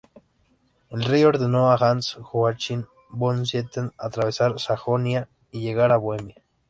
El rey ordenó a Hans Joachim von Zieten atravesar Sajonia y llegar a Bohemia.